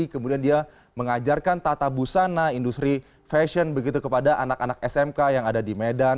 kemudian dia mengajarkan tata busana industri fashion begitu kepada anak anak smk yang ada di medan